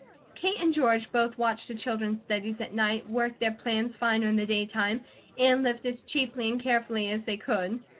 Kate and George both watched the children's studies at night, worked their plans finer in the daytime, and lived as cheaply and carefully as they could.